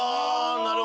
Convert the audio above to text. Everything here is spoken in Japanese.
なるほど。